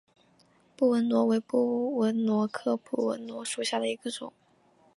布纹螺为布纹螺科布纹螺属下的一个种。